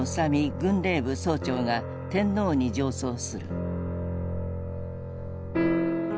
軍令部総長が天皇に上奏する。